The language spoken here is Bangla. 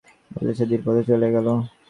বলিয়া ধীরপদে চলিয়া গেল।